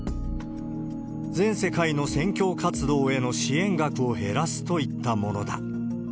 全世界の宣教活動への支援額を減らすといったものだ。